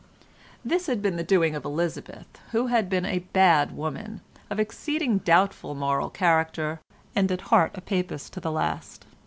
This had been the doing of Elizabeth, who had been a bad woman, of exceeding doubtful moral character, and at heart a Papist to the last.